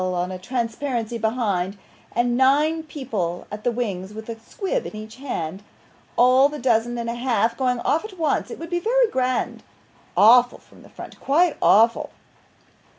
on a transparency behind; and nine people at the wings with a squib in each hand all the dozen and a half going off at once it would be very grand awful from the front, quite awful.